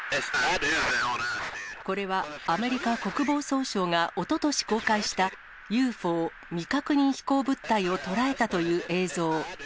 これは、アメリカ国防総省がおととし公開した、ＵＦＯ・未確認飛行物体を捉えたという映像。